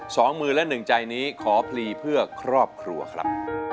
สองมือและหนึ่งใจนี้ขอพลีเพื่อครอบครัวครับ